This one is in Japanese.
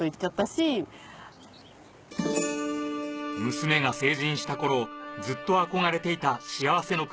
娘が成人した頃ずっと憧れていた幸せの国